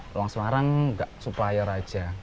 di luar semarang nggak supplier aja